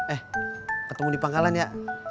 eh ketemu di pangkalan ya